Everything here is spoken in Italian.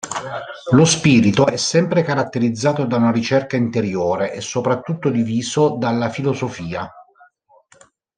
Lo spirito è sempre caratterizzato da una ricerca interiore e soprattutto diviso dalla filosofia.